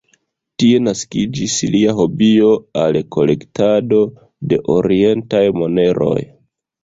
Tie naskiĝis lia hobio al kolektado de orientaj moneroj.